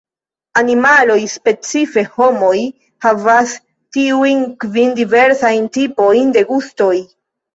Animaloj, specife homoj, havas tiujn kvin diversajn tipojn de gustoj.